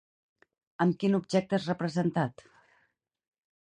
Amb quin objecte és representat?